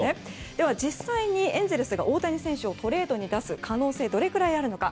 では、実際にエンゼルスが大谷選手をトレードに出す可能性どれくらいあるのか。